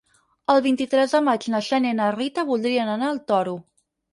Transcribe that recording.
El vint-i-tres de maig na Xènia i na Rita voldrien anar al Toro.